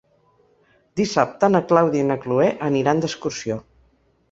Dissabte na Clàudia i na Cloè aniran d'excursió.